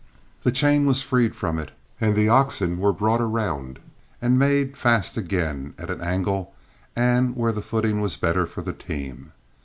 The chain was freed from it, and the oxen were brought around and made fast again, at an angle and where the footing was better for the team.